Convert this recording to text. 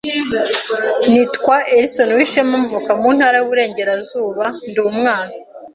Nitwa Eslon UWISHEMA mvuka mu ntara y’uburengerazauba ndi umwana